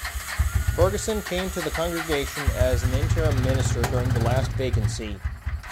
Ferguson came to the congregation as an Interim Minister during the last Vacancy.